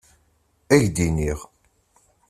Ad k-d-iniɣ.